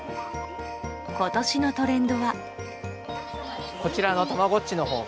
今年のトレンドは。